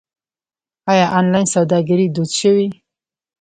آیا آنلاین سوداګري دود شوې؟